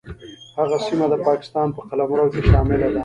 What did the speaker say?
هغه سیمه د پاکستان په قلمرو کې شامله ده.